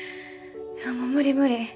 もう無理無理